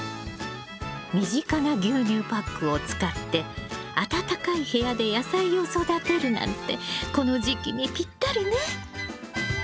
身近な牛乳パックを使って暖かい部屋で野菜を育てるなんてこの時期にぴったりね。